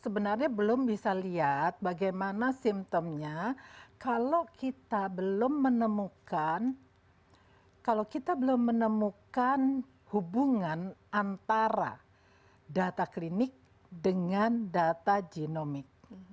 sebenarnya belum bisa lihat bagaimana simptomnya kalau kita belum menemukan kalau kita belum menemukan hubungan antara data klinik dengan data genomik